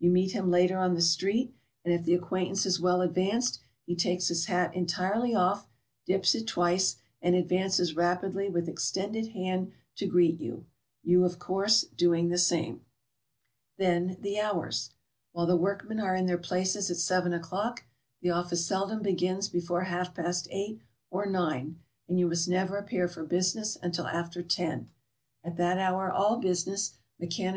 You meet him later on the street, and if the acquaintance is well advanced, be takes his hat entirely off, dips it twice, and advances rapidly with extended hand to greet you — you, of course, doing the same. 236 GOING ABROAD? "Then the hours. While the workmen are i n their places at 7 o'clock, the office seldom begins before half past 8 or 9; and you must never appear for business until after 10. At that hour all business, mechanica